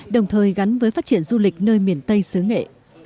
đồng thời gắn với phát triển du lịch nơi miền tây xứ nghệ